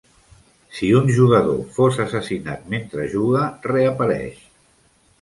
Si un jugador fos assassinat mentre juga, reapareix.